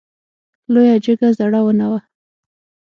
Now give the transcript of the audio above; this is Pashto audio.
لویه جګه زړه ونه وه .